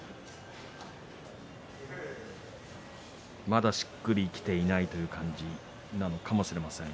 まだしっくりきていないという感じなのかもしれません。